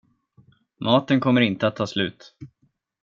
Maten kommer inte att ta slut.